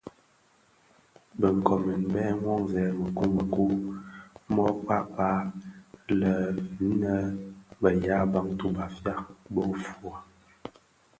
Bë nkoomèn bèn Monzèn mëkuu mekuu mō kpakpag la nnë be ya bantu (Bafia) bö fuugha,